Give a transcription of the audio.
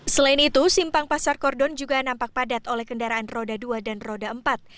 selain itu simpang pasar kordon juga nampak padat oleh kendaraan roda dua dan roda empat